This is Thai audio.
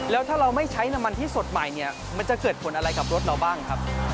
แล้วถ้าเราไม่ใช้น้ำมันที่สดใหม่เนี่ยมันจะเกิดผลอะไรกับรถเราบ้างครับ